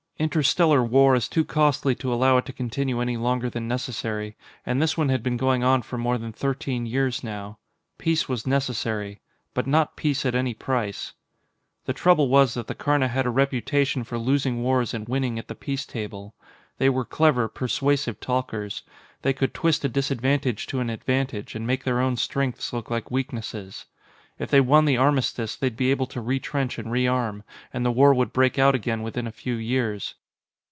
Interstellar war is too costly to allow it to continue any longer than necessary, and this one had been going on for more than thirteen years now. Peace was necessary. But not peace at any price. The trouble was that the Karna had a reputation for losing wars and winning at the peace table. They were clever, persuasive talkers. They could twist a disadvantage to an advantage, and make their own strengths look like weaknesses. If they won the armistice, they'd be able to retrench and rearm, and the war would break out again within a few years.